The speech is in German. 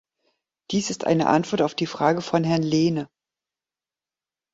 Dies ist eine Antwort auf die Frage von Herrn Lehne.